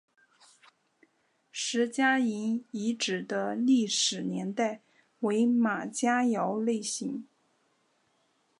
石家营遗址的历史年代为马家窑类型。